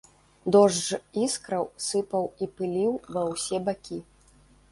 Дождж іскраў сыпаў і пыліў ва ўсе бакі.